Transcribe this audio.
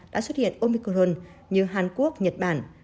đã xuất hiện omicron như hàn quốc nhật bản